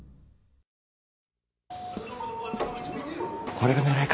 これが狙いか？